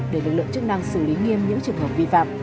để lực lượng chức năng xử lý nghiêm những trường hợp vi phạm